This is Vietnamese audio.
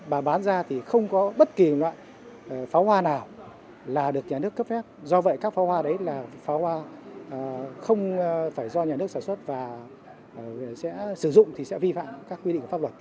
bà bán ra thì không có bất kỳ loại pháo hoa nào là được nhà nước cấp phép do vậy các pháo hoa đấy là pháo hoa không phải do nhà nước sản xuất và sẽ sử dụng thì sẽ vi phạm các quy định của pháp luật